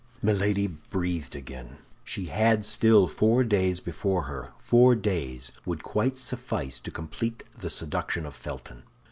Milady breathed again. She had still four days before her. Four days would quite suffice to complete the seduction of Felton.